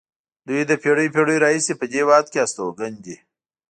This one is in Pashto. دوی له پېړیو پېړیو راهیسې په دې هېواد کې استوګن دي.